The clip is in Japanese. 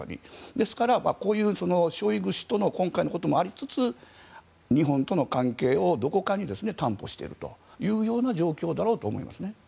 ですから、ショイグ氏との今回のこともありつつ日本との関係をどこかに担保しておくというような状況だろうと思います。